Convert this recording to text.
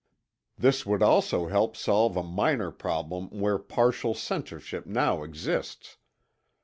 This would also help solve a minor problem where partial censorship now exists.